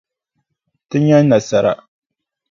Ti nya nasara.